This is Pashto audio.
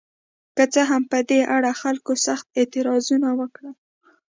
که څه هم په دې اړه خلکو سخت اعتراضونه وکړل.